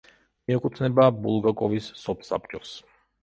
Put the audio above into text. მიეკუთვნება ბულგაკოვის სოფსაბჭოს.